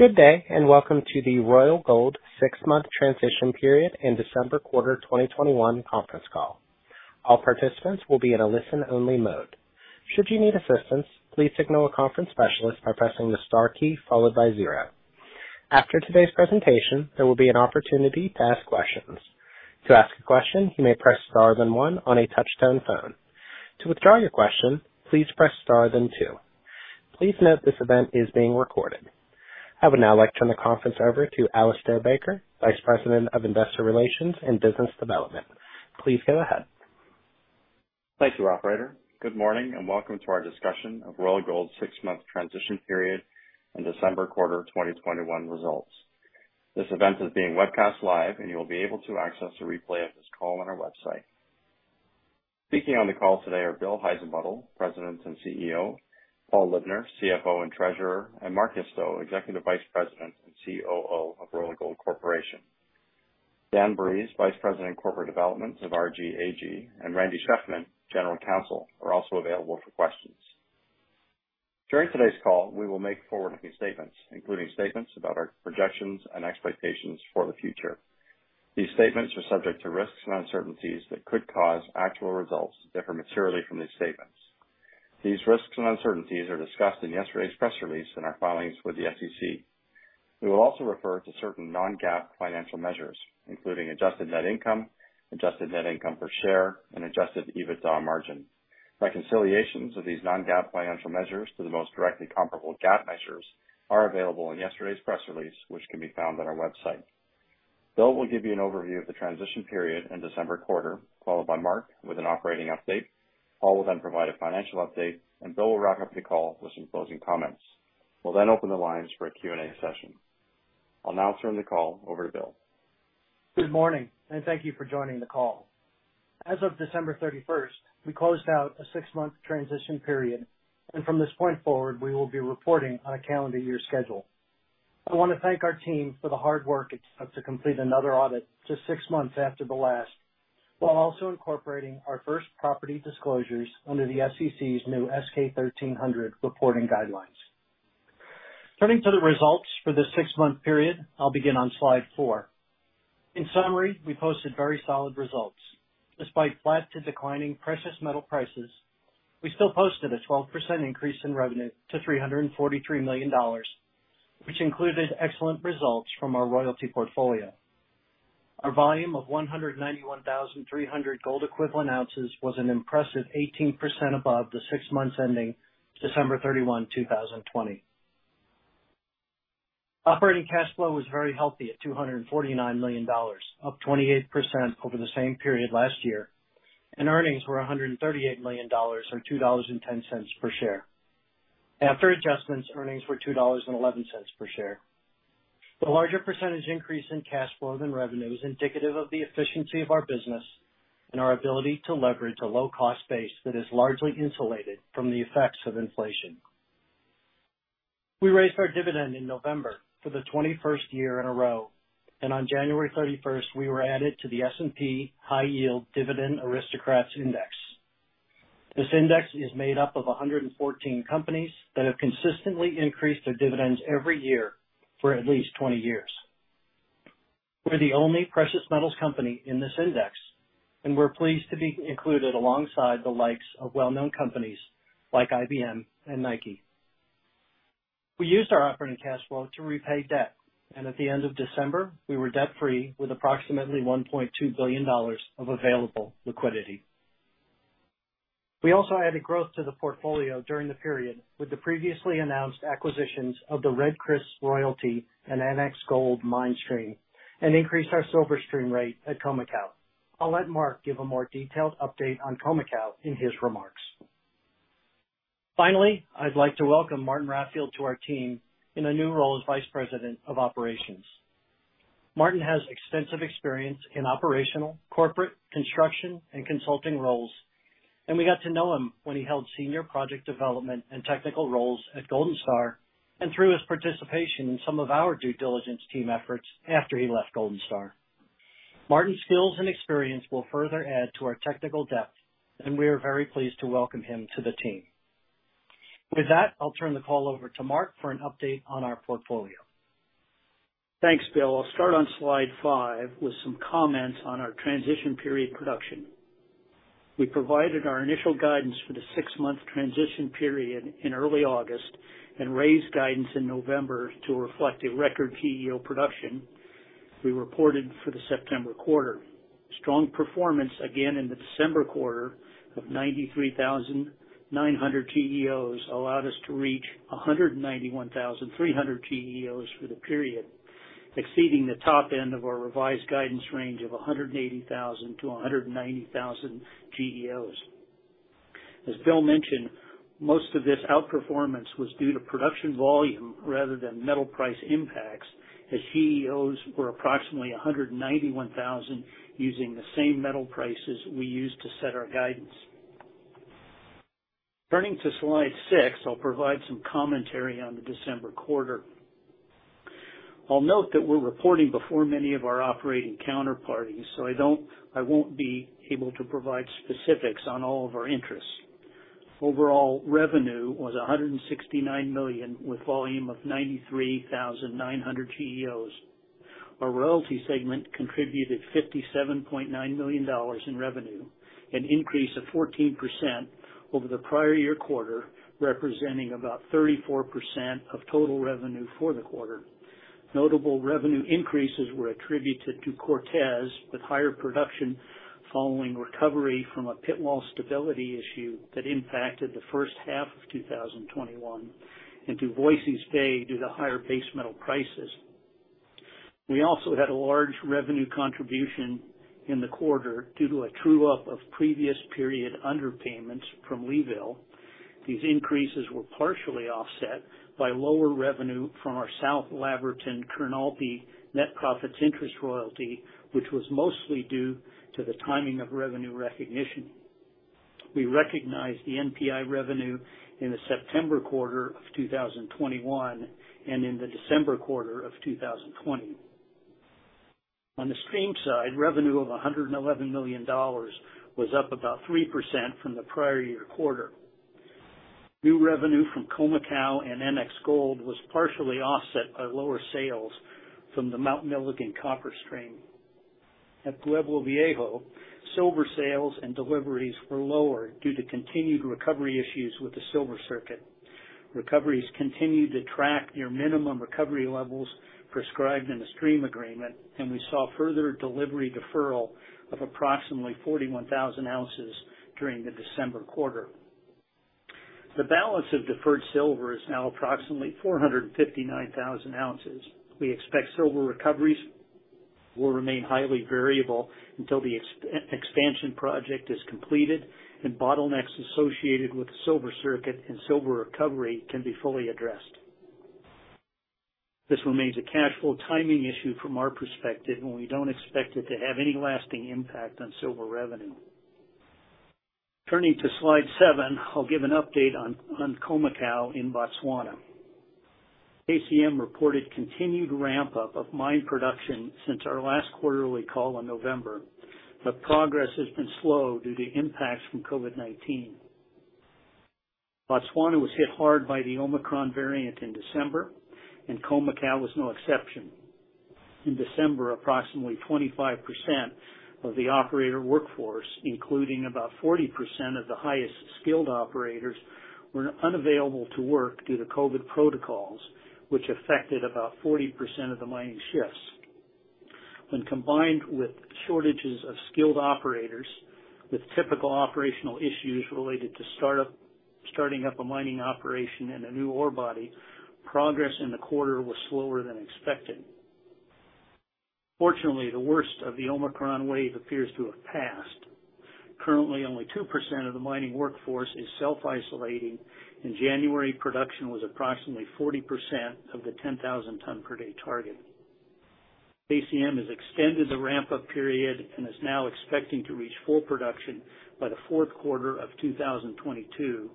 Good day, and welcome to the Royal Gold six-month transition period and December quarter 2021 conference call. All participants will be in a listen-only mode. Should you need assistance, please signal a conference specialist by pressing the star key followed by zero. After today's presentation, there will be an opportunity to ask questions. To ask a question, you may press star then one on a touch-tone phone. To withdraw your question, please press star then two. Please note this event is being recorded. I would now like to turn the conference over to Alistair Baker, Vice President of Investor Relations and Business Development. Please go ahead. Thank you, Operator. Good morning, and welcome to our discussion of Royal Gold's six-month transition period and December quarter 2021 results. This event is being webcast live, and you'll be able to access a replay of this call on our website. Speaking on the call today are Bill Heissenbuttel, President and CEO, Paul Libner, CFO and Treasurer, and Mark Isto, Executive Vice President and COO of Royal Gold Corporation. Dan Breeze, Vice President Corporate Development of RGLD Gold AG, and Randy Shefman, General Counsel, are also available for questions. During today's call, we will make forward-looking statements, including statements about our projections and expectations for the future. These statements are subject to risks and uncertainties that could cause actual results that differ materially from these statements. These risks and uncertainties are discussed in yesterday's press release and our filings with the SEC. We will also refer to certain non-GAAP financial measures, including adjusted net income, adjusted net income per share, and adjusted EBITDA margin. Reconciliations of these non-GAAP financial measures to the most directly comparable GAAP measures are available in yesterday's press release, which can be found on our website. Bill will give you an overview of the transition period and December quarter, followed by Mark with an operating update. Paul will then provide a financial update, and Bill will wrap up the call with some closing comments. We'll then open the lines for a Q&A session. I'll now turn the call over to Bill. Good morning, and thank you for joining the call. As of December 31st, we closed out a six-month transition period, and from this point forward, we will be reporting on a calendar year schedule. I want to thank our team for the hard work it took to complete another audit just six months after the last, while also incorporating our first property disclosures under the SEC's new S-K 1300 reporting guidelines. Turning to the results for this six-month period, I'll begin on slide four. In summary, we posted very solid results. Despite flat to declining precious metal prices, we still posted a 12% increase in revenue to $343 million, which included excellent results from our royalty portfolio. Our volume of 191,300 gold-equivalent oz was an impressive 18% above the six months ending December 31, 2020. Operating cash flow was very healthy at $249 million, up 28% over the same period last year, and earnings were $138 million, or $2.10 per share. After adjustments, earnings were $2.11 per share. The larger percentage increase in cash flow than revenue is indicative of the efficiency of our business and our ability to leverage a low-cost base that is largely insulated from the effects of inflation. We raised our dividend in November for the 21st year in a row, and on January 31st, we were added to the S&P High Yield Dividend Aristocrats Index. This index is made up of 114 companies that have consistently increased their dividends every year for at least 20 years. We're the only precious metals company in this index, and we're pleased to be included alongside the likes of well-known companies like IBM and Nike. We used our operating cash flow to repay debt, and at the end of December, we were debt-free with approximately $1.2 billion of available liquidity. We also added growth to the portfolio during the period with the previously announced acquisitions of the Red Chris royalty and NX Gold Mine stream and increased our silver stream rate at Khoemacau. I'll let Mark give a more detailed update on Khoemacau in his remarks. Finally, I'd like to welcome Martin Raffield to our team in a new role as Vice President of Operations. Martin has extensive experience in operational, corporate, construction, and consulting roles, and we got to know him when he held senior project development and technical roles at Golden Star and through his participation in some of our due diligence team efforts after he left Golden Star. Martin's skills and experience will further add to our technical depth, and we are very pleased to welcome him to the team. With that, I'll turn the call over to Mark for an update on our portfolio. Thanks, Bill. I'll start on slide five with some comments on our transition period production. We provided our initial guidance for the six-month transition period in early August and raised guidance in November to reflect a record GEO production we reported for the September quarter. Strong performance again in the December quarter of 93,900 GEOs allowed us to reach 191,300 GEOs for the period, exceeding the top end of our revised guidance range of 180,000 to 190,000 GEOs. As Bill mentioned, most of this outperformance was due to production volume rather than metal price impacts, as GEOs were approximately 191,000 using the same metal prices we used to set our guidance. Turning to slide six, I'll provide some commentary on the December quarter. I'll note that we're reporting before many of our operating counterparties, so I won't be able to provide specifics on all of our interests. Overall revenue was $169 million with a volume of 93,900 GEOs. Our royalty segment contributed $57.9 million in revenue, an increase of 14% over the prior year quarter, representing about 34% of total revenue for the quarter. Notable revenue increases were attributed to Cortez with higher production following recovery from a pit wall stability issue that impacted the first half of 2021 and to Voisey's Bay due to higher base metal prices. We also had a large revenue contribution in the quarter due to a true-up of previous period underpayments from Leeville. These increases were partially offset by lower revenue from our South Laverton-Kurnalpi net profits interest royalty, which was mostly due to the timing of revenue recognition. We recognized the NPI revenue in the September quarter of 2021 and in the December quarter of 2020. On the stream side, revenue of $111 million was up about 3% from the prior year quarter. New revenue from Khoemacau and NX Gold was partially offset by lower sales from the Mount Milligan copper stream. At Pueblo Viejo, silver sales and deliveries were lower due to continued recovery issues with the silver circuit. Recoveries continued to track near minimum recovery levels prescribed in the stream agreement, and we saw further delivery deferral of approximately 41,000 oz during the December quarter. The balance of deferred silver is now approximately 459,000 oz. We expect silver recoveries will remain highly variable until the expansion project is completed, and bottlenecks associated with the silver circuit and silver recovery can be fully addressed. This remains a cash flow timing issue from our perspective, and we don't expect it to have any lasting impact on silver revenue. Turning to slide seven, I'll give an update on Khoemacau in Botswana. KCM reported continued ramp-up of mine production since our last quarterly call in November, but progress has been slow due to impacts from COVID-19. Botswana was hit hard by the Omicron variant in December, and Khoemacau was no exception. In December, approximately 25% of the operator workforce, including about 40% of the highest skilled operators, were unavailable to work due to COVID protocols, which affected about 40% of the mining shifts. When combined with shortages of skilled operators, with typical operational issues related to starting up a mining operation and a new ore body, progress in the quarter was slower than expected. Fortunately, the worst of the Omicron wave appears to have passed. Currently, only 2% of the mining workforce is self-isolating, and January production was approximately 40% of the 10,000-ton-per-day target. KCM has extended the ramp-up period and is now expecting to reach full production by the fourth quarter of 2022,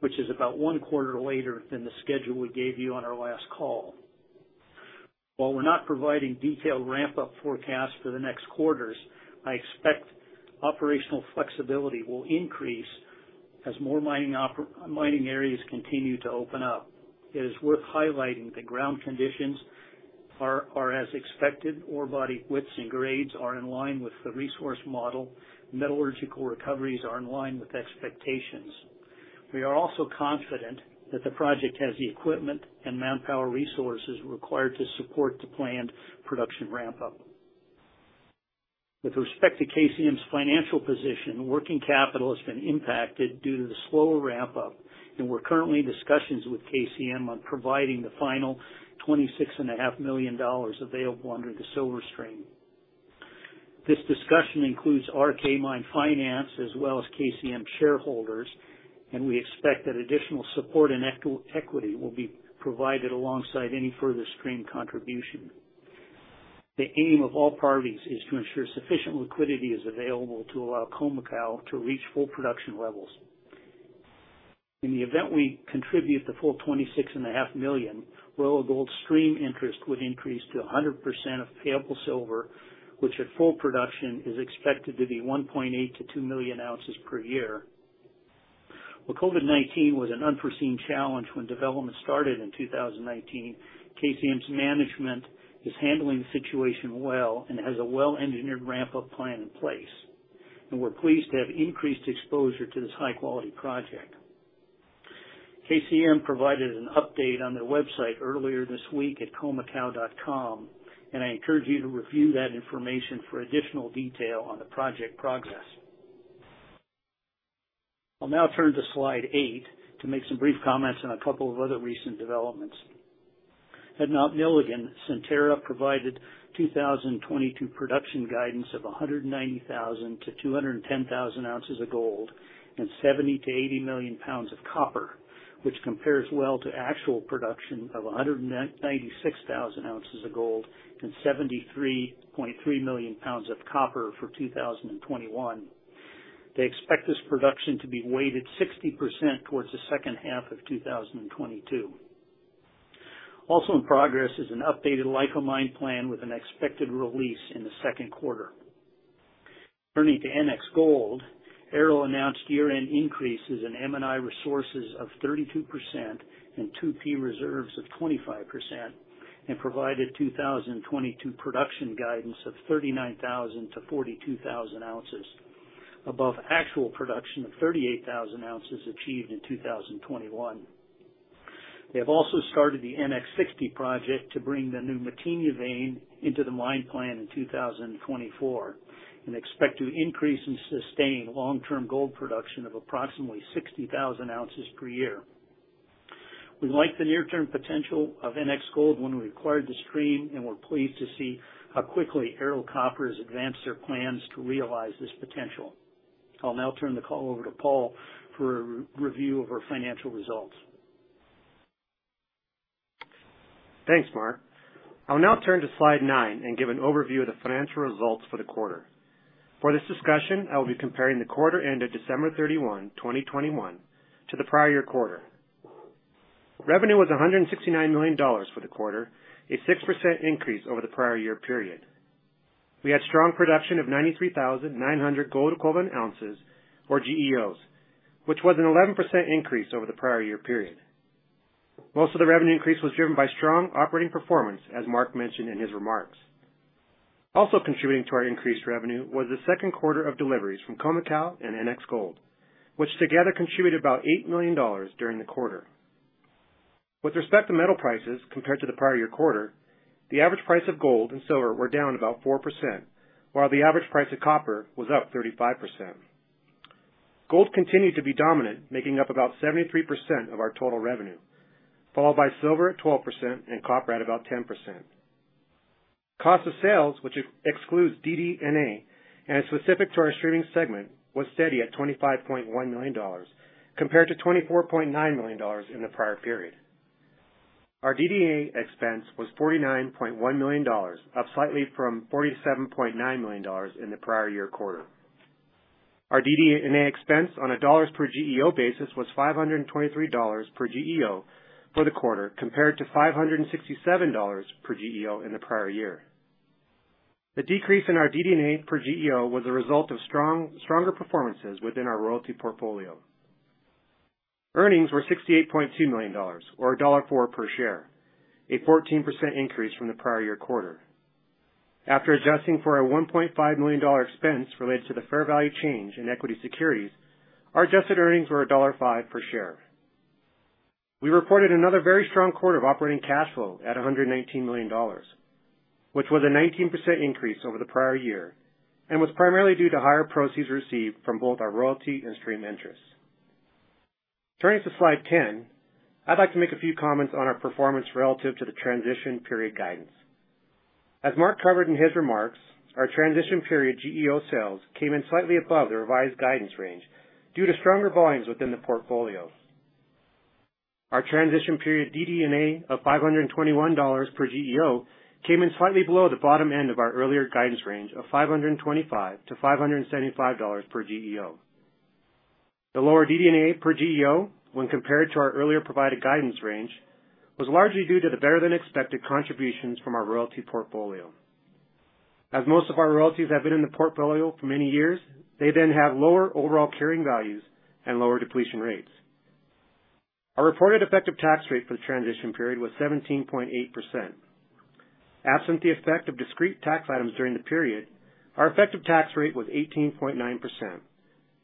which is about one quarter later than the schedule we gave you on our last call. While we're not providing detailed ramp-up forecasts for the next quarters, I expect operational flexibility will increase as more mining areas continue to open up. It is worth highlighting that ground conditions are as expected, ore body widths and grades are in line with the resource model, and metallurgical recoveries are in line with expectations. We are also confident that the project has the equipment and manpower resources required to support the planned production ramp-up. With respect to KCM's financial position, working capital has been impacted due to the slower ramp-up, and we're currently in discussions with KCM on providing the final $26.5 million available under the silver stream. This discussion includes RK Mine Finance as well as KCM shareholders, and we expect that additional support and equity will be provided alongside any further stream contribution. The aim of all parties is to ensure sufficient liquidity is available to allow Khoemacau to reach full production levels. In the event we contribute the full $26.5 million, Royal Gold's stream interest would increase to 100% of payable silver, which at full production is expected to be 1.8 million-2 million oz per year. While COVID-19 was an unforeseen challenge when development started in 2019, KCM's management is handling the situation well and has a well-engineered ramp-up plan in place, and we're pleased to have increased exposure to this high-quality project. KCM provided an update on their website earlier this week at khoemacau.com, and I encourage you to review that information for additional detail on the project progress. I'll now turn to slide eight to make some brief comments on a couple of other recent developments. At Mount Milligan, Centerra provided 2022 production guidance of 190,000-210,000 oz of gold and 70 million-80 million pounds of copper, which compares well to actual production of 196,000 oz of gold and 73.3 million pounds of copper for 2021. They expect this production to be weighted 60% towards the second half of 2022. Also in progress is an updated life-of-mine plan with an expected release in the second quarter. Turning to NX Gold, Ero announced year-end increases in M&I resources of 32% and 2P reserves of 25%, and provided 2022 production guidance of 39,000-42,000 oz, above actual production of 38,000 oz achieved in 2021. They have also started the NX 60 project to bring the new Matinha vein into the mine plan in 2024 and expect to increase and sustain long-term gold production of approximately 60,000 oz per year. We liked the near-term potential of NX Gold when we acquired the stream and were pleased to see how quickly Ero Copper has advanced their plans to realize this potential. I'll now turn the call over to Paul for a review of our financial results. Thanks, Mark. I'll now turn to slide nine and give an overview of the financial results for the quarter. For this discussion, I will be comparing the quarter ended December 31, 2021, to the prior year quarter. Revenue was $169 million for the quarter, a 6% increase over the prior year period. We had strong production of 93,900 gold equivalent ounces, or GEOs, which was an 11% increase over the prior year period. Most of the revenue increase was driven by strong operating performance, as Mark mentioned in his remarks. Also contributing to our increased revenue was the second quarter of deliveries from Khoemacau and NX Gold, which together contributed about $8 million during the quarter. With respect to metal prices compared to the prior year quarter, the average price of gold and silver were down about 4%, while the average price of copper was up 35%. Gold continued to be dominant, making up about 73% of our total revenue, followed by silver at 12% and copper at about 10%. Cost of sales, which excludes DD&A and is specific to our streaming segment, was steady at $25.1 million compared to $24.9 million in the prior period. Our DD&A expense was $49.1 million, up slightly from $47.9 million in the prior year quarter. Our DD&A expense on a dollars-per-GEO basis was $523 per GEO for the quarter compared to $567 per GEO in the prior year. The decrease in our DD&A per GEO was a result of stronger performances within our royalty portfolio. Earnings were $68.2 million, or $1.04 per share, a 14% increase from the prior year quarter. After adjusting for a $1.5 million expense related to the fair value change in equity securities, our adjusted earnings were $1.05 per share. We reported another very strong quarter of operating cash flow at $119 million, which was a 19% increase over the prior year and was primarily due to higher proceeds received from both our royalty and stream interests. Turning to slide 10, I'd like to make a few comments on our performance relative to the transition period guidance. As Mark covered in his remarks, our transition period GEO sales came in slightly above the revised guidance range due to stronger volumes within the portfolio. Our transition period DD&A of $521 per GEO came in slightly below the bottom end of our earlier guidance range of $525-$575 per GEO. The lower DD&A per GEO, when compared to our earlier provided guidance range, was largely due to the better-than-expected contributions from our royalty portfolio. As most of our royalties have been in the portfolio for many years, they then have lower overall carrying values and lower depletion rates. Our reported effective tax rate for the transition period was 17.8%. Absent the effect of discrete tax items during the period, our effective tax rate was 18.9%,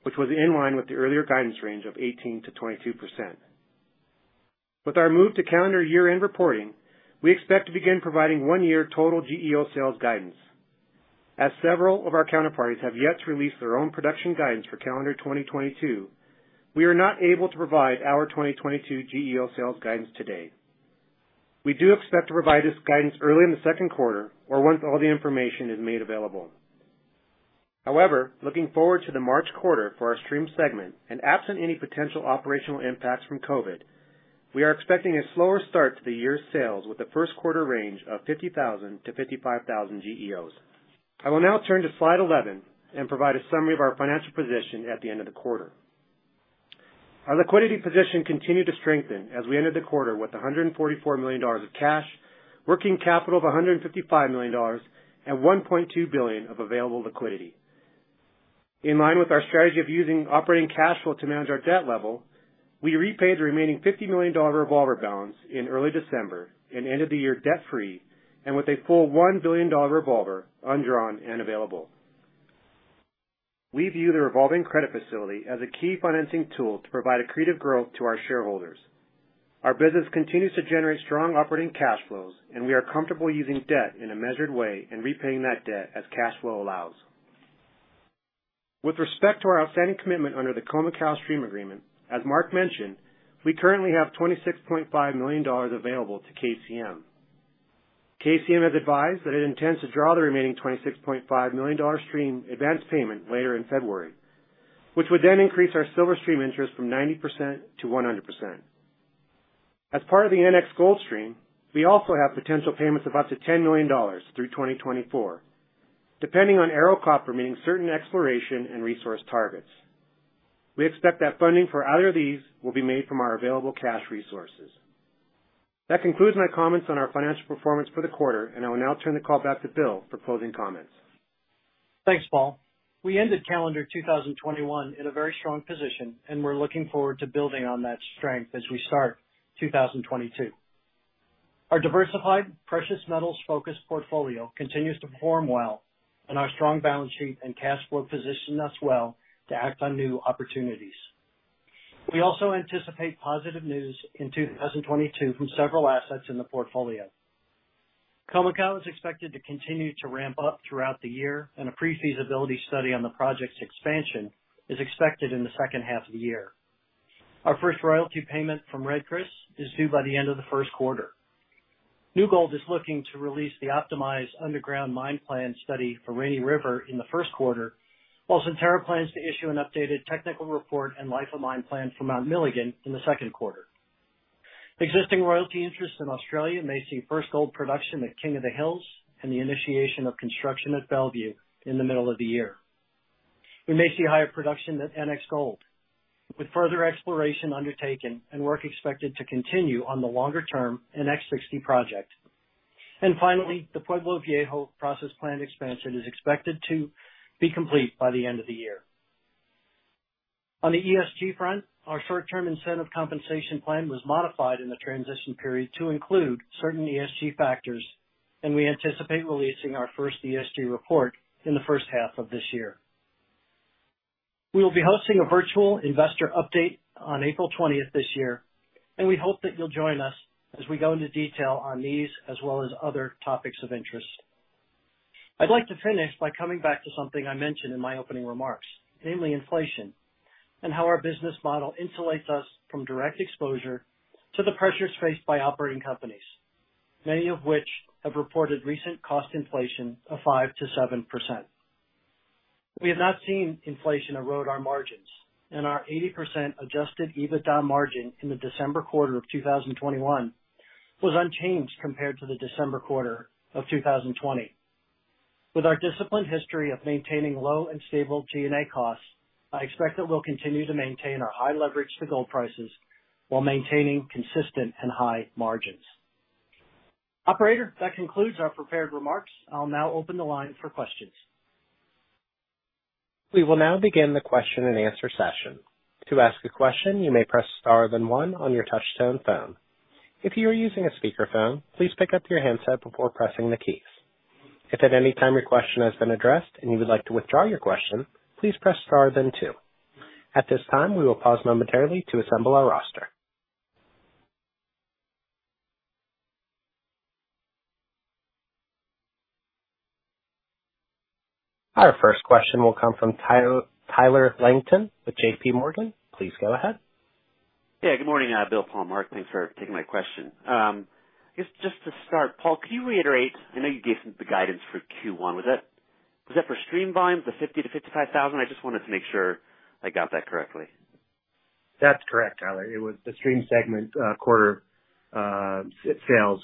which was in line with the earlier guidance range of 18%-22%. With our move to calendar year-end reporting, we expect to begin providing one-year total GEO sales guidance. As several of our counterparties have yet to release their own production guidance for calendar 2022, we are not able to provide our 2022 GEO sales guidance today. We do expect to provide this guidance early in the second quarter or once all the information is made available. However, looking forward to the March quarter for our stream segment, and absent any potential operational impacts from COVID, we are expecting a slower start to the year's sales with the first quarter range of 50,000-55,000 GEOs. I will now turn to slide 11 and provide a summary of our financial position at the end of the quarter. Our liquidity position continued to strengthen as we ended the quarter with $144 million of cash, working capital of $155 million, and $1.2 billion of available liquidity. In line with our strategy of using operating cash flow to manage our debt level, we repaid the remaining $50 million revolver balance in early December and ended the year debt-free and with a full $1 billion revolver undrawn and available. We view the revolving credit facility as a key financing tool to provide accretive growth to our shareholders. Our business continues to generate strong operating cash flows, and we are comfortable using debt in a measured way and repaying that debt as cash flow allows. With respect to our outstanding commitment under the Khoemacau Stream Agreement, as Mark mentioned, we currently have $26.5 million available to KCM. KCM has advised that it intends to draw the remaining $26.5 million stream advance payment later in February, which would then increase our silver stream interest from 90% to 100%. As part of the NX Gold stream, we also have potential payments of up to $10 million through 2024, depending on Ero Copper meeting certain exploration and resource targets. We expect that funding for either of these will be made from our available cash resources. That concludes my comments on our financial performance for the quarter, and I will now turn the call back to Bill for closing comments. Thanks, Paul. We ended calendar 2021 in a very strong position, and we're looking forward to building on that strength as we start 2022. Our diversified precious metals-focused portfolio continues to perform well, and our strong balance sheet and cash flow position us well to act on new opportunities. We also anticipate positive news in 2022 from several assets in the portfolio. Khoemacau is expected to continue to ramp up throughout the year, and a pre-feasibility study on the project's expansion is expected in the second half of the year. Our first royalty payment from Red Chris is due by the end of the first quarter. New Gold is looking to release the optimized underground mine plan study for Rainy River in the first quarter, while Centerra plans to issue an updated technical report and life of mine plan for Mount Milligan in the second quarter. Existing royalty interests in Australia may see first gold production at King of the Hills and the initiation of construction at Bellevue in the middle of the year. We may see higher production at NX Gold, with further exploration undertaken and work expected to continue on the longer-term NX 60 project, and finally, the Pueblo Viejo process plant expansion is expected to be complete by the end of the year. On the ESG front, our short-term incentive compensation plan was modified in the transition period to include certain ESG factors, and we anticipate releasing our first ESG report in the first half of this year. We will be hosting a virtual investor update on April 20th this year, and we hope that you'll join us as we go into detail on these as well as other topics of interest. I'd like to finish by coming back to something I mentioned in my opening remarks, namely inflation and how our business model insulates us from direct exposure to the pressures faced by operating companies, many of which have reported recent cost inflation of 5%-7%. We have not seen inflation erode our margins, and our 80% adjusted EBITDA margin in the December quarter of 2021 was unchanged compared to the December quarter of 2020. With our disciplined history of maintaining low and stable G&A costs, I expect that we'll continue to maintain our high leverage to gold prices while maintaining consistent and high margins. Operator, that concludes our prepared remarks. I'll now open the line for questions. We will now begin the question-and-answer session. To ask a question, you may press star then one on your touch-tone phone. If you are using a speakerphone, please pick up your handset before pressing the keys. If at any time your question has been addressed and you would like to withdraw your question, please press star then two. At this time, we will pause momentarily to assemble our roster. Our first question will come from Tyler Langton with JPMorgan. Please go ahead. Yeah, good morning, Bill, Paul, Mark. Thanks for taking my question. Just to start, Paul, could you reiterate? I know you gave some of the guidance for Q1. Was that for stream volumes, the 50,000-55,000? I just wanted to make sure I got that correctly. That's correct, Tyler. It was the stream segment quarter sales,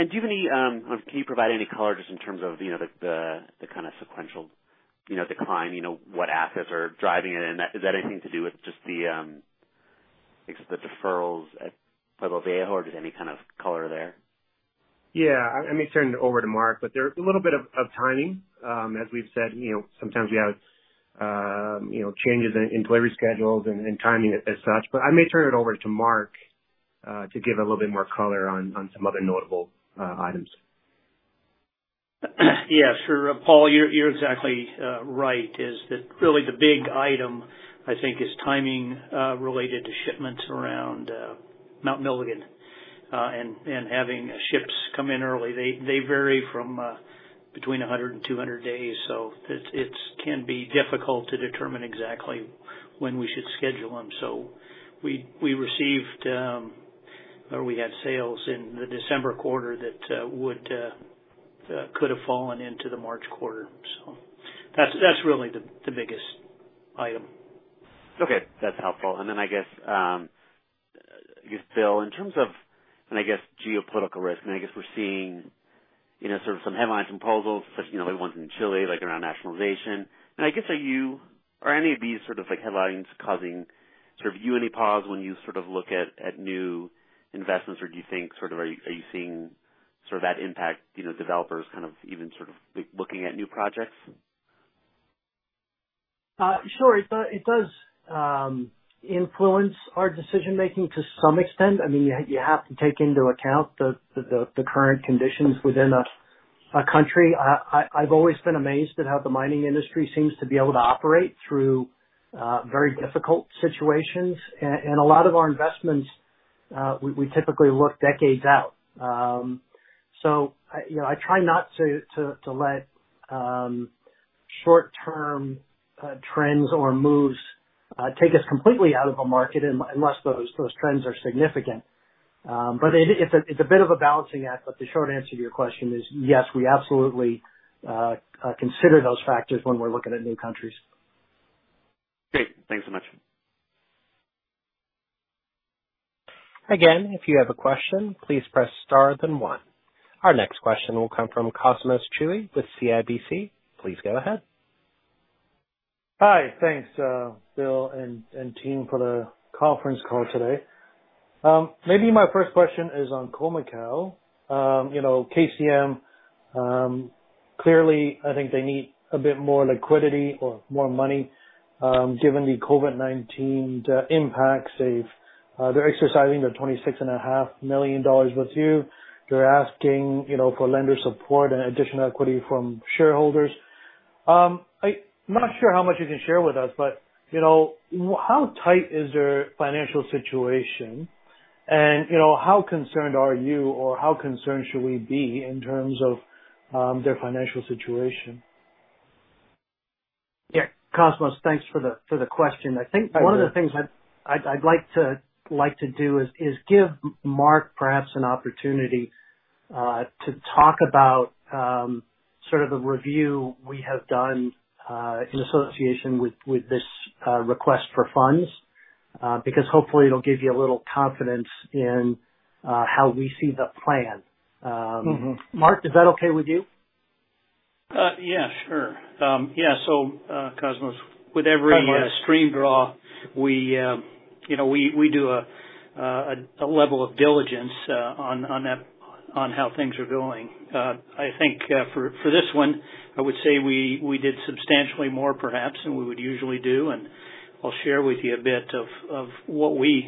50,000-55,000. Can you provide any color just in terms of the kind of sequential decline? What assets are driving it? And is that anything to do with just the deferrals at Pueblo Viejo, or is there any kind of color there? Yeah, I may turn it over to Mark, but there's a little bit of timing. As we've said, sometimes we have changes in delivery schedules and timing as such. But I may turn it over to Mark to give a little bit more color on some other notable items. Yeah, sure. Paul, you're exactly right. Really, the big item, I think, is timing related to shipments around Mount Milligan and having ships come in early. They vary from between 100 and 200 days, so it can be difficult to determine exactly when we should schedule them. So we received, or we had sales in the December quarter that could have fallen into the March quarter. So that's really the biggest item. Okay, that's helpful, and then I guess, Bill, in terms of, I guess, geopolitical risk, I guess we're seeing sort of some headlines and proposals, such as the ones in Chile, like around nationalization, and I guess, are any of these sort of headlines causing sort of you any pause when you sort of look at new investments, or do you think sort of are you seeing sort of that impact developers kind of even sort of looking at new projects? Sure, it does influence our decision-making to some extent. I mean, you have to take into account the current conditions within a country. I've always been amazed at how the mining industry seems to be able to operate through very difficult situations. And a lot of our investments, we typically look decades out. So I try not to let short-term trends or moves take us completely out of the market unless those trends are significant. But it's a bit of a balancing act, but the short answer to your question is yes, we absolutely consider those factors when we're looking at new countries. Great. Thanks so much. Again, if you have a question, please press star then one. Our next question will come from Cosmos Chiu with CIBC. Please go ahead. Hi, thanks, Bill and team, for the conference call today. Maybe my first question is on Khoemacau. KCM, clearly, I think they need a bit more liquidity or more money given the COVID-19 impacts. They're exercising the $26.5 million with you. They're asking for lender support and additional equity from shareholders. I'm not sure how much you can share with us, but how tight is their financial situation? And how concerned are you, or how concerned should we be in terms of their financial situation? Yeah, Cosmos, thanks for the question. I think one of the things I'd like to do is give Mark perhaps an opportunity to talk about sort of the review we have done in association with this request for funds, because hopefully it'll give you a little confidence in how we see the plan. Mark, is that okay with you? Yeah, sure. Yeah, so Cosmos, with every stream draw, we do a level of diligence on how things are going. I think for this one, I would say we did substantially more, perhaps, than we would usually do. And I'll share with you a bit of what we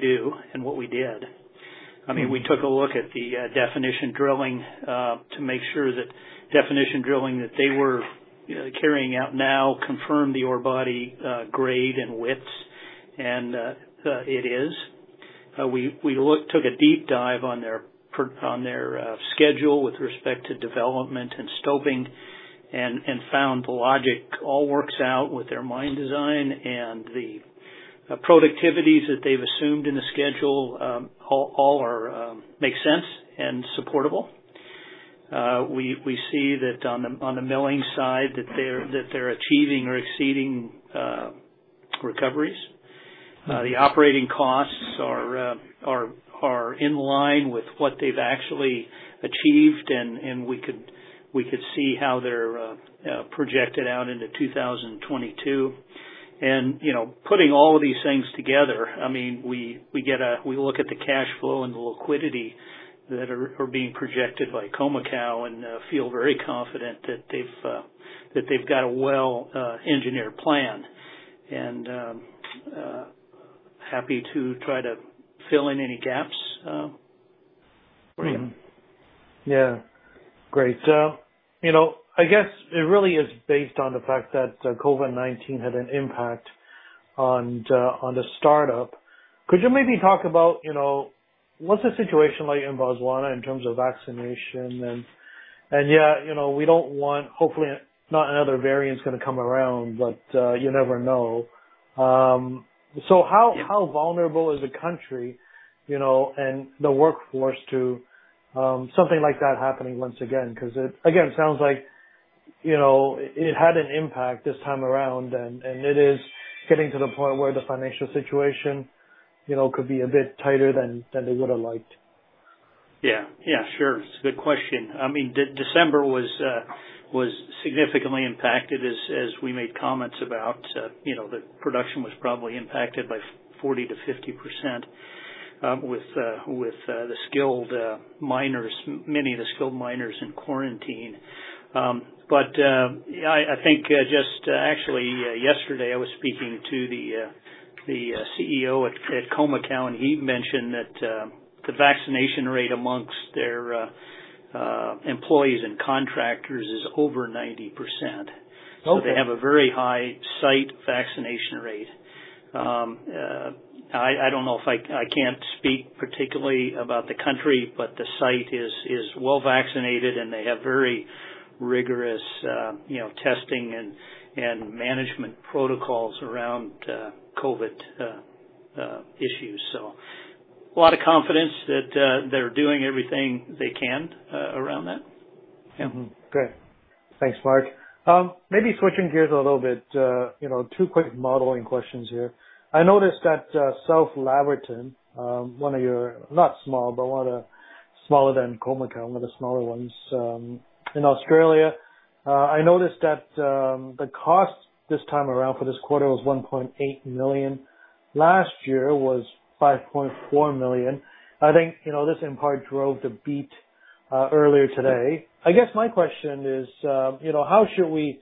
do and what we did. I mean, we took a look at the definition drilling to make sure that definition drilling that they were carrying out now confirmed the ore body grade and widths, and it is. We took a deep dive on their schedule with respect to development and stoping and found the logic all works out with their mine design and the productivities that they've assumed in the schedule. All make sense and supportable. We see that on the milling side that they're achieving or exceeding recoveries. The operating costs are in line with what they've actually achieved, and we could see how they're projected out into 2022. And putting all of these things together, I mean, we look at the cash flow and the liquidity that are being projected by Khoemacau and feel very confident that they've got a well-engineered plan, and happy to try to fill in any gaps for you. Yeah, great. I guess it really is based on the fact that COVID-19 had an impact on the startup. Could you maybe talk about what's the situation like in Botswana in terms of vaccination? And yeah, we don't want, hopefully, not another variant's going to come around, but you never know. So how vulnerable is a country and the workforce to something like that happening once again? Because again, it sounds like it had an impact this time around, and it is getting to the point where the financial situation could be a bit tighter than they would have liked. Yeah, yeah, sure. It's a good question. I mean, December was significantly impacted as we made comments about the production was probably impacted by 40%-50% with the skilled miners, many of the skilled miners in quarantine. But I think just actually yesterday, I was speaking to the CEO at Khoemacau, and he mentioned that the vaccination rate amongst their employees and contractors is over 90%. So they have a very high site vaccination rate. I don't know if I can't speak particularly about the country, but the site is well vaccinated, and they have very rigorous testing and management protocols around COVID issues. So a lot of confidence that they're doing everything they can around that. Okay. Thanks, Mark. Maybe switching gears a little bit, two quick modeling questions here. I noticed that South Laverton, one of your not small, but one of the smaller than Khoemacau, one of the smaller ones in Australia. I noticed that the cost this time around for this quarter was $1.8 million. Last year was $5.4 million. I think this in part drove the beat earlier today. I guess my question is, how should we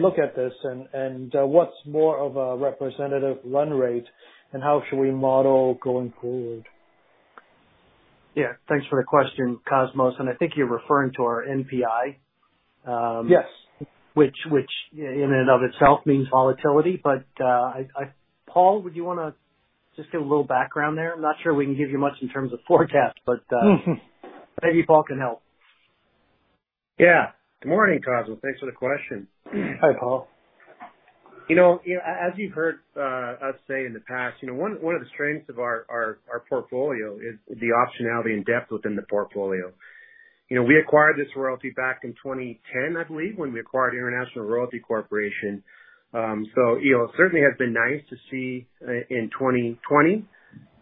look at this? And what's more of a representative run rate, and how should we model going forward? Yeah, thanks for the question, Cosmos, and I think you're referring to our NPI, which in and of itself means volatility, but Paul, would you want to just give a little background there? I'm not sure we can give you much in terms of forecast, but maybe Paul can help. Yeah. Good morning, Cosmos. Thanks for the question. Hi, Paul. As you've heard us say in the past, one of the strengths of our portfolio is the optionality and depth within the portfolio. We acquired this royalty back in 2010, I believe, when we acquired International Royalty Corporation. So it certainly has been nice to see in 2020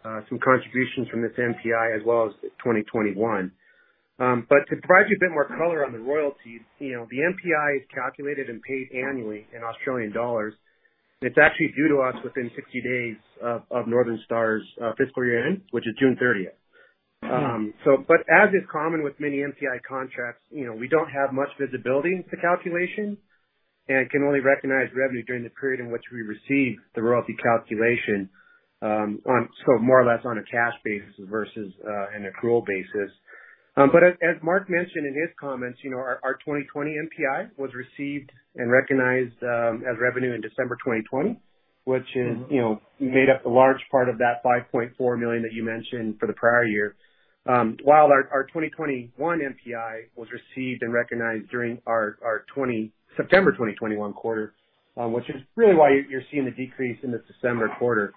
some contributions from this NPI as well as 2021. But to provide you a bit more color on the royalty, the NPI is calculated and paid annually in Australian dollars. It's actually due to us within 60 days of Northern Star's fiscal year end, which is June 30th. But as is common with many NPI contracts, we don't have much visibility into the calculation and can only recognize revenue during the period in which we receive the royalty calculation, so more or less on a cash basis versus an accrual basis. But as Mark mentioned in his comments, our 2020 NPI was received and recognized as revenue in December 2020, which made up a large part of that $5.4 million that you mentioned for the prior year, while our 2021 NPI was received and recognized during our September 2021 quarter, which is really why you're seeing the decrease in the December quarter.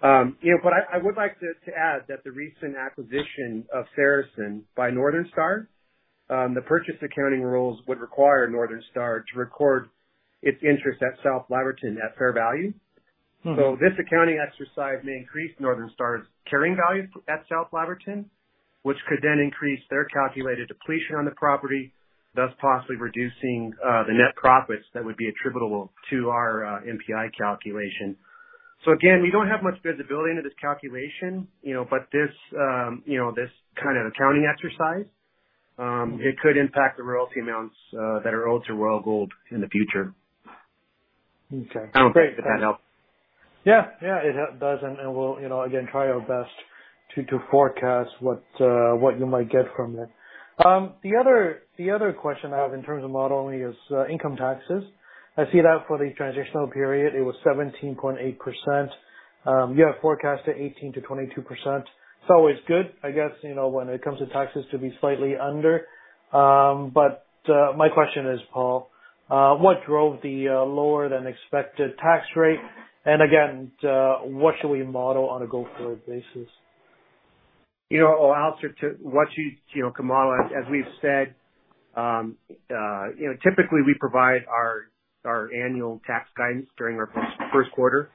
But I would like to add that the recent acquisition of Saracen by Northern Star, the purchase accounting rules would require Northern Star to record its interest at South Laverton at fair value. So this accounting exercise may increase Northern Star's carrying value at South Laverton, which could then increase their calculated depletion on the property, thus possibly reducing the net profits that would be attributable to our NPI calculation. So again, we don't have much visibility into this calculation, but this kind of accounting exercise, it could impact the royalty amounts that are owed to Royal Gold in the future. I don't think that that helps. Yeah, yeah, it does. And we'll, again, try our best to forecast what you might get from it. The other question I have in terms of modeling is income taxes. I see that for the transitional period, it was 17.8%. You have forecasted 18%-22%. It's always good, I guess, when it comes to taxes to be slightly under. But my question is, Paul, what drove the lower-than-expected tax rate? And again, what should we model on a go-forward basis? I'll answer to what you can model. As we've said, typically we provide our annual tax guidance during our first quarter.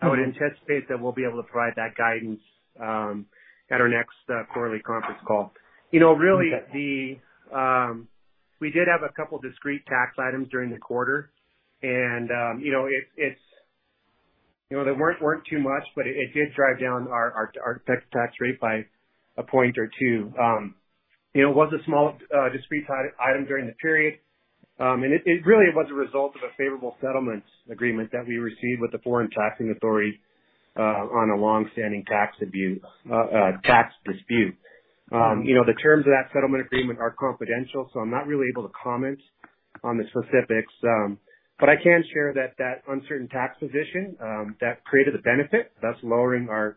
I would anticipate that we'll be able to provide that guidance at our next quarterly conference call. Really, we did have a couple of discrete tax items during the quarter, and they weren't too much, but it did drive down our tax rate by a point or two. It was a small discrete item during the period, and it really was a result of a favorable settlement agreement that we received with the foreign taxing authority on a long-standing tax dispute. The terms of that settlement agreement are confidential, so I'm not really able to comment on the specifics. But I can share that that uncertain tax position that created the benefit, thus lowering our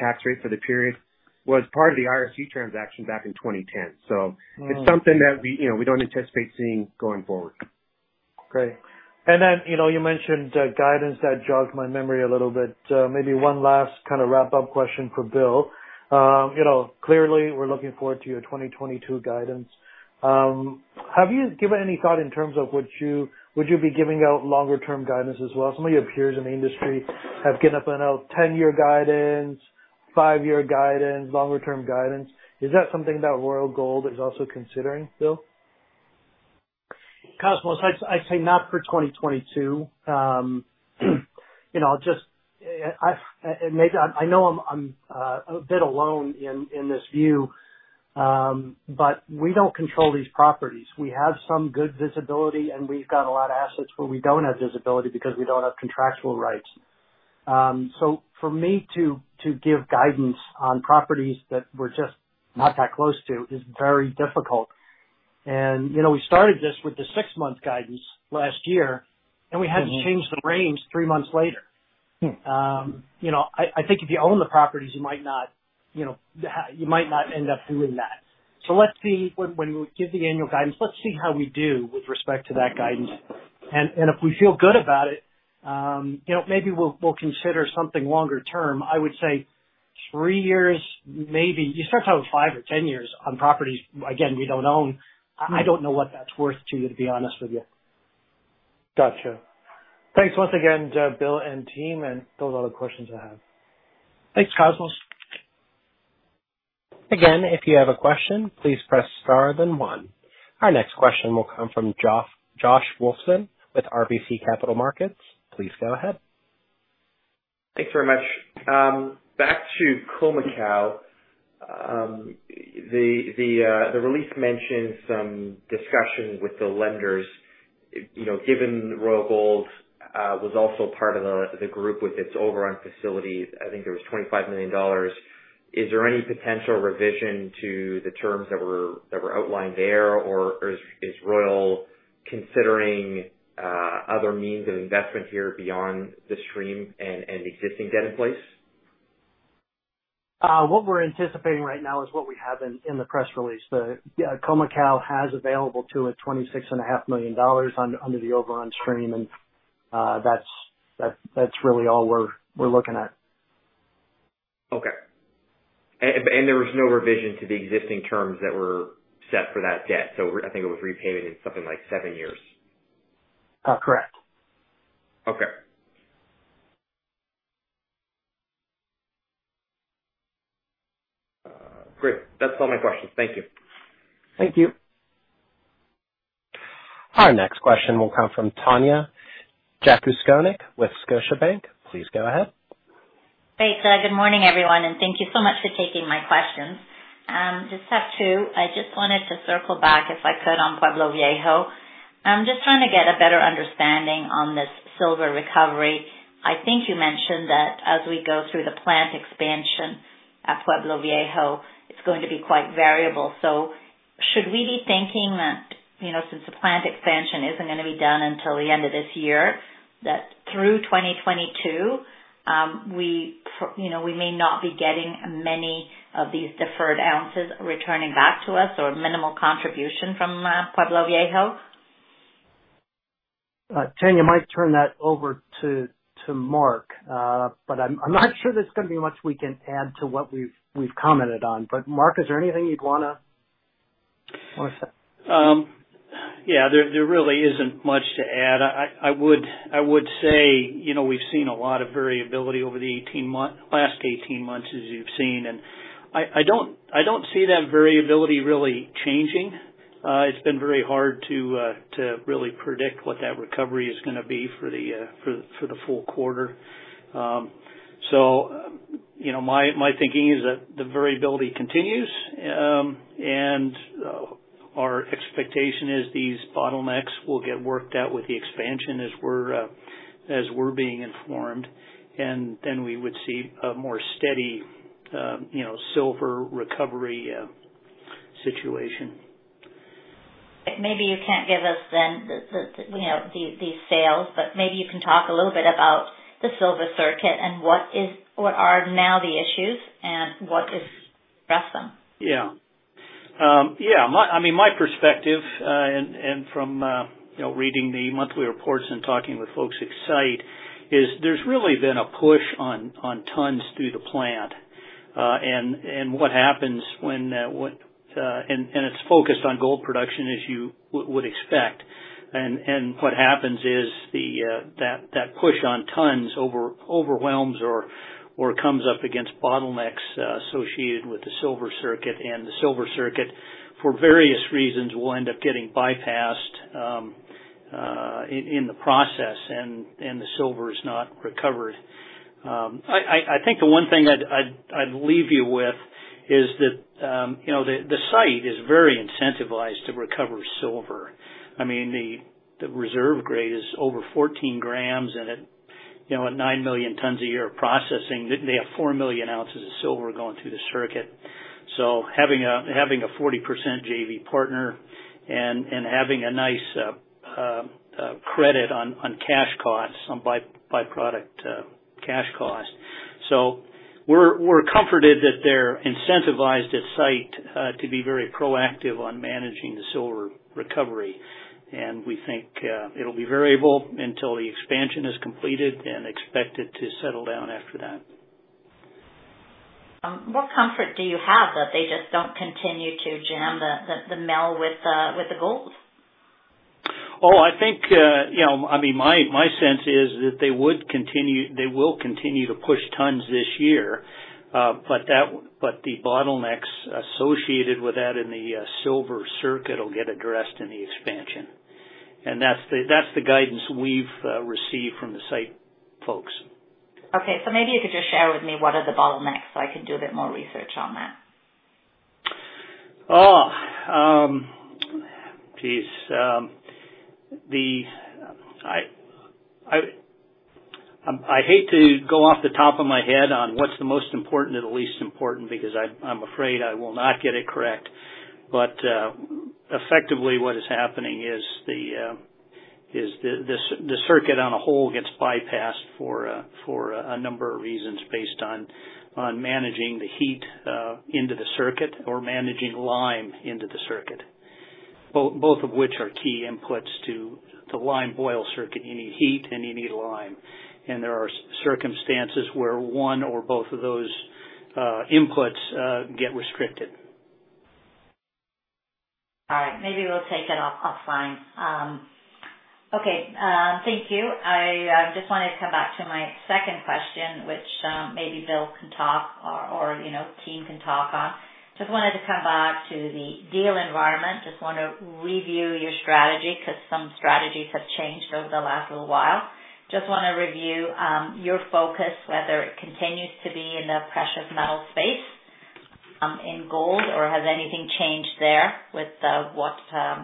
tax rate for the period, was part of the IRC transaction back in 2010. So it's something that we don't anticipate seeing going forward. Great. And then you mentioned guidance that jogs my memory a little bit. Maybe one last kind of wrap-up question for Bill. Clearly, we're looking forward to your 2022 guidance. Have you given any thought in terms of would you be giving out longer-term guidance as well? Some of your peers in the industry have given out 10-year guidance, five-year guidance, longer-term guidance. Is that something that Royal Gold is also considering, Bill? Cosmos, I'd say not for 2022. I know I'm a bit alone in this view, but we don't control these properties. We have some good visibility, and we've got a lot of assets where we don't have visibility because we don't have contractual rights. So for me to give guidance on properties that we're just not that close to is very difficult. We started this with the six-month guidance last year, and we had to change the range three months later. I think if you own the properties, you might not end up doing that. So when we give the annual guidance, let's see how we do with respect to that guidance. If we feel good about it, maybe we'll consider something longer-term. I would say three years, maybe. You start talking about five or 10 years on properties, again, we don't own. I don't know what that's worth to you, to be honest with you. Gotcha. Thanks once again, Bill and team, and those are all the questions I have. Thanks, Cosmos. Again, if you have a question, please press star then one. Our next question will come from Josh Wolfson with RBC Capital Markets. Please go ahead. Thanks very much. Back to Khoemacau, the release mentions some discussion with the lenders. Given Royal Gold was also part of the group with its overrun facility, I think there was $25 million. Is there any potential revision to the terms that were outlined there, or is Royal considering other means of investment here beyond the stream and existing debt in place? What we're anticipating right now is what we have in the press release. Khoemacau has available to it $26.5 million under the overrun stream, and that's really all we're looking at. Okay. And there was no revision to the existing terms that were set for that debt. So I think it was repayment in something like seven years. Correct. Okay. Great. That's all my questions. Thank you. Thank you. Our next question will come from Tanya Jakusconek with Scotiabank. Please go ahead. Hey, good morning, everyone, and thank you so much for taking my questions. Just have two. I just wanted to circle back, if I could, on Pueblo Viejo. I'm just trying to get a better understanding on this silver recovery. I think you mentioned that as we go through the plant expansion at Pueblo Viejo, it's going to be quite variable. So should we be thinking that since the plant expansion isn't going to be done until the end of this year, that through 2022, we may not be getting many of these deferred ounces returning back to us or minimal contribution from Pueblo Viejo? Tanya, might turn that over to Mark, but I'm not sure there's going to be much we can add to what we've commented on. But Mark, is there anything you'd want to say? Yeah, there really isn't much to add. I would say we've seen a lot of variability over the last 18 months, as you've seen, and I don't see that variability really changing. It's been very hard to really predict what that recovery is going to be for the full quarter, so my thinking is that the variability continues, and our expectation is these bottlenecks will get worked out with the expansion as we're being informed, and then we would see a more steady silver recovery situation. Maybe you can't give us then these sales, but maybe you can talk a little bit about the silver circuit and what are now the issues and what has addressed them. Yeah. Yeah. I mean, my perspective, and from reading the monthly reports and talking with folks at site, is there's really been a push on tons through the plant. And what happens when, and it's focused on gold production, as you would expect, and what happens is that push on tons overwhelms or comes up against bottlenecks associated with the silver circuit. And the silver circuit, for various reasons, will end up getting bypassed in the process, and the silver is not recovered. I think the one thing I'd leave you with is that the site is very incentivized to recover silver. I mean, the reserve grade is over 14 g, and at 9 million tons a year of processing, they have 4 million oz of silver going through the circuit. So having a 40% JV partner and having a nice credit on cash costs, on byproduct cash costs. So we're comforted that they're incentivized at site to be very proactive on managing the silver recovery. And we think it'll be variable until the expansion is completed and expected to settle down after that. What comfort do you have that they just don't continue to jam the mill with the gold? Oh, I think, I mean, my sense is that they will continue to push tons this year, but the bottlenecks associated with that in the silver circuit will get addressed in the expansion, and that's the guidance we've received from the site folks. Okay, so maybe you could just share with me what are the bottlenecks so I can do a bit more research on that? Oh, jeez. I hate to go off the top of my head on what's the most important or the least important because I'm afraid I will not get it correct. But effectively, what is happening is the circuit on a hole gets bypassed for a number of reasons based on managing the heat into the circuit or managing lime into the circuit, both of which are key inputs to the lime boil circuit. You need heat, and you need lime. And there are circumstances where one or both of those inputs get restricted. All right. Maybe we'll take it offline. Okay. Thank you. I just wanted to come back to my second question, which maybe Bill can talk or team can talk on. Just wanted to come back to the deal environment. Just want to review your strategy because some strategies have changed over the last little while. Just want to review your focus, whether it continues to be in the precious metal space in gold, or has anything changed there with what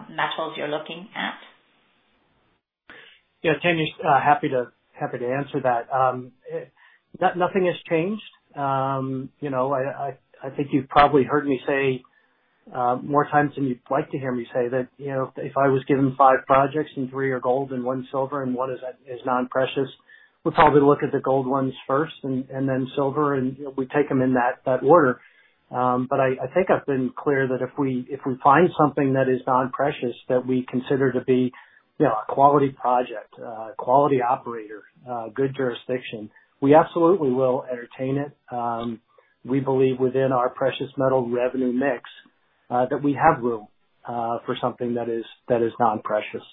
metals you're looking at? Yeah, Tanya, happy to answer that. Nothing has changed. I think you've probably heard me say more times than you'd like to hear me say that if I was given five projects and three are gold and one silver and one is non-precious, we'll probably look at the gold ones first and then silver, and we take them in that order. But I think I've been clear that if we find something that is non-precious that we consider to be a quality project, a quality operator, good jurisdiction, we absolutely will entertain it. We believe within our precious metal revenue mix that we have room for something that is non-precious.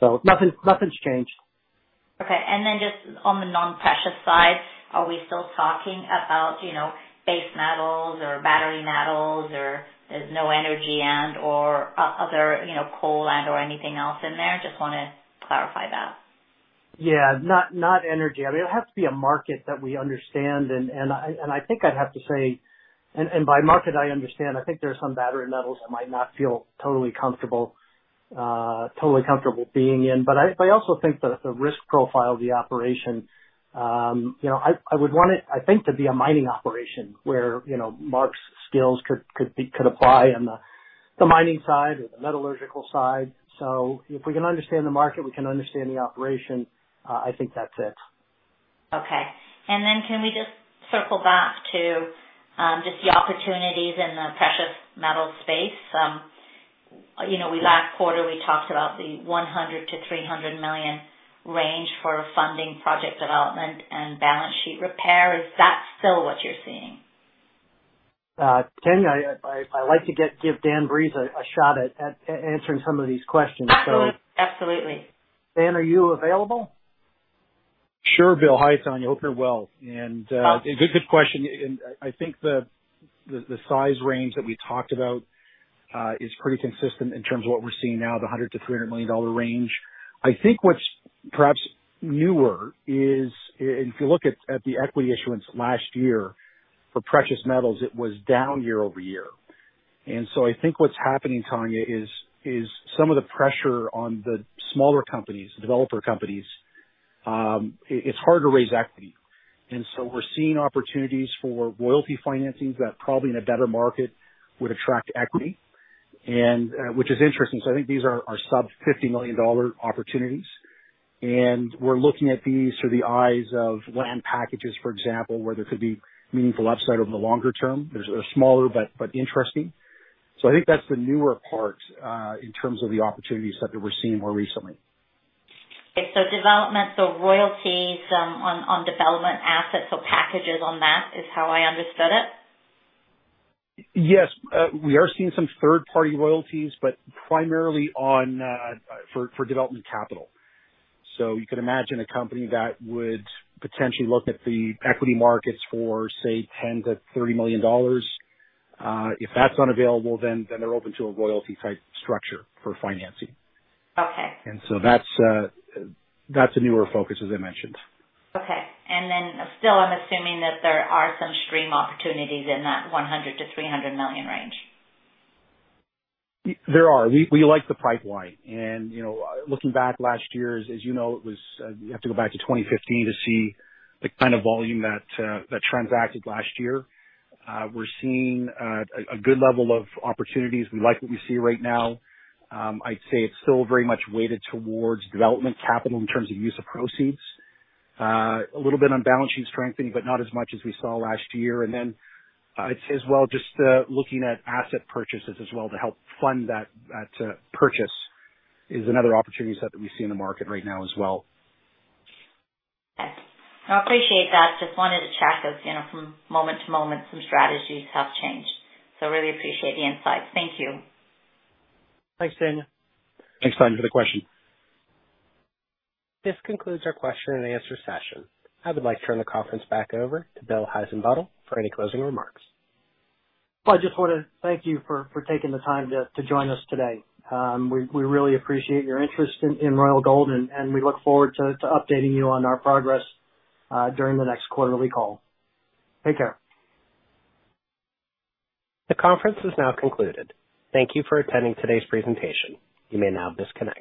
So nothing's changed. Okay. And then just on the non-precious side, are we still talking about base metals or battery metals or no energy and/or other coal and/or anything else in there? Just want to clarify that. Yeah. Not energy. I mean, it has to be a market that we understand, and I think I'd have to say, and by market, I understand. I think there are some battery metals I might not feel totally comfortable being in, but I also think that the risk profile of the operation, I would want it, I think, to be a mining operation where Mark's skills could apply on the mining side or the metallurgical side, so if we can understand the market, we can understand the operation. I think that's it. Okay. And then can we just circle back to just the opportunities in the precious metal space? We last quarter, we talked about the $100 million-$300 million range for funding project development and balance sheet repair. Is that still what you're seeing? Tanya, I'd like to give Dan Breeze a shot at answering some of these questions. Absolutely. Dan, are you available? Sure, Bill. Hi, Tanya. I hope you're well. And good question. I think the size range that we talked about is pretty consistent in terms of what we're seeing now, the $100 million-$300 million range. I think what's perhaps newer is, if you look at the equity issuance last year for precious metals, it was down year over year. And so I think what's happening, Tanya, is some of the pressure on the smaller companies, the developer companies, it's hard to raise equity. And so we're seeing opportunities for royalty financing that probably in a better market would attract equity, which is interesting. So I think these are sub-$50 million opportunities. And we're looking at these through the eyes of land packages, for example, where there could be meaningful upside over the longer term. They're smaller but interesting. So I think that's the newer part in terms of the opportunities that we're seeing more recently. Okay. So, development, so royalties on development assets or packages on that, is how I understood it. Yes. We are seeing some third-party royalties, but primarily for development capital. So you could imagine a company that would potentially look at the equity markets for, say, $10 million-$30 million. If that's unavailable, then they're open to a royalty-type structure for financing. And so that's a newer focus, as I mentioned. Okay. And then still, I'm assuming that there are some stream opportunities in that $100 million-$300 million range. There are. We like the pipeline, and looking back last year, as you know, you have to go back to 2015 to see the kind of volume that transacted last year. We're seeing a good level of opportunities. We like what we see right now. I'd say it's still very much weighted toward development capital in terms of use of proceeds, a little bit on balance sheet strengthening, but not as much as we saw last year, and then I'd say as well, just looking at asset purchases as well to help fund that purchase is another opportunity set that we see in the market right now as well. Okay. I appreciate that. Just wanted to check, from moment to moment, some strategies have changed. So really appreciate the insights. Thank you. Thanks, Tanya. Thanks, Tanya, for the question. This concludes our question-and-answer session. I would like to turn the conference back over to Bill Heissenbuttel for any closing remarks. I just want to thank you for taking the time to join us today. We really appreciate your interest in Royal Gold, and we look forward to updating you on our progress during the next quarterly call. Take care. The conference is now concluded. Thank you for attending today's presentation. You may now disconnect.